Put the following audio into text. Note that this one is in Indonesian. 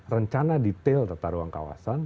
rencana detail tata ruang kawasan